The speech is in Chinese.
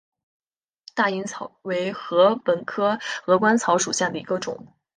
大颖草为禾本科鹅观草属下的一个种。